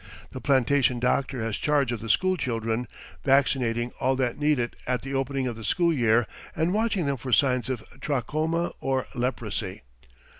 The plantation doctor has charge of the school children, vaccinating all that need it at the opening of the school year and watching them for signs of trachoma or leprosy.